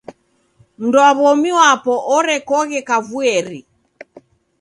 Mndu wa w'omi wapo orekoghe kavuieri.